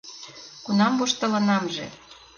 — Кунам воштылынамже?